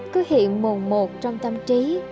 cứ hiện mồm một trong tâm trí